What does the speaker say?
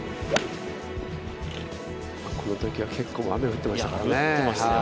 このときは結構雨が降ってましたからね。